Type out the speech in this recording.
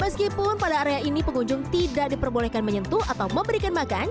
meskipun pada area ini pengunjung tidak diperbolehkan menyentuh atau memberikan makan